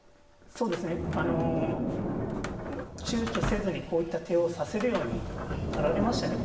そうですねあの躊躇せずにこういった手を指せるようになられましたね。